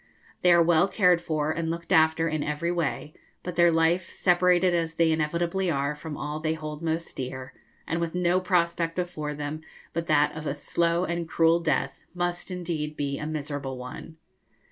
They are well cared for and looked after in every way; but their life, separated as they inevitably are from all they hold most dear, and with no prospect before them but that of a slow and cruel death, must indeed be a miserable one.